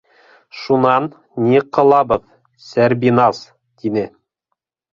Шунан... ни ҡылабыҙ, Сәрбиназ? - тине.